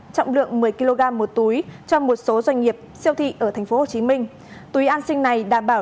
trọng lượng một mươi kg một túi cho một số doanh nghiệp siêu thị ở tp hcm túi an sinh này đảm bảo